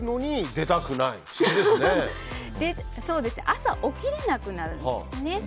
朝起きれなくなるんですね。